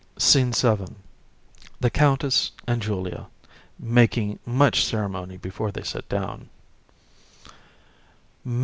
SCENE VII. THE COUNTESS and JULIA (making much ceremony before they sit down). COUN.